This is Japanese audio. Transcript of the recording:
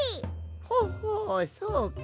ほほそうか。